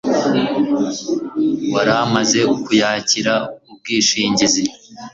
waramaze kuyakira ubwishingizi